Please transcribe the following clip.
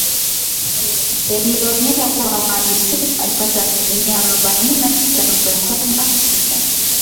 yalionesha kwamba Maalim Seif alipata asilimia arobaini na sita nukta saba sita